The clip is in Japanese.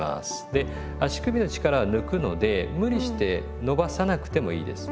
で足首の力を抜くので無理して伸ばさなくてもいいです。